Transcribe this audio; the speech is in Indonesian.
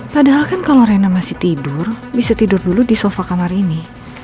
padahal kan kalau rena masih tidur bisa tidur dulu di sofa kamar ini